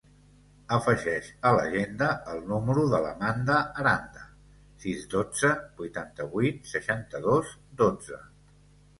Afegeix a l'agenda el número de l'Amanda Aranda: sis, dotze, vuitanta-vuit, seixanta-dos, dotze.